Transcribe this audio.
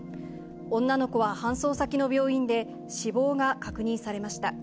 女の子は搬送先の病院で死亡が確認されました。